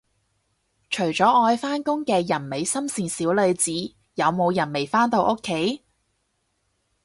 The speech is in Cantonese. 除咗愛返工嘅人美心善小女子，有冇人未返到屋企